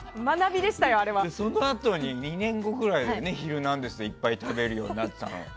そのあとに２年後くらいに「ヒルナンデス！」でいっぱい食べるようになったの。